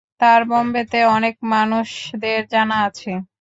তার বোম্বেতে অনেক মানুষদের জানা আছে।